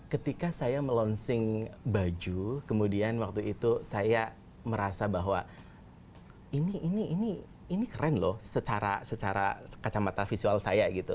ketika saya melonsing baju kemudian waktu itu saya merasa bahwa ini keren loh secara kacamata visual saya gitu